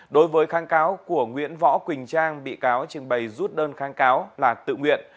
đối với kháng cáo của nguyễn võ quỳnh trang bị cáo trình bày rút đơn kháng cáo là tự nguyện